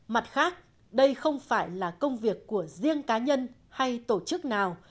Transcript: mặt khác đây không phải là công việc của riêng cá nhân hay tổ chức nào